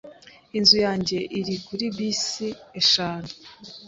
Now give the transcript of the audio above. Inzu yanjye iri kuri bisi eshanu.